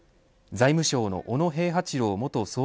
財務省の小野平八郎元総括